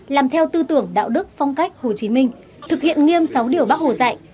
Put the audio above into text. làm theo tư tưởng đạo đức phong cách hồ chí minh thực hiện nghiêm sáu điều bác hồ dạy